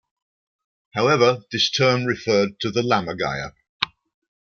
However, this term referred to the Lammergeier.